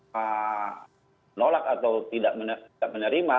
menolak atau tidak menerima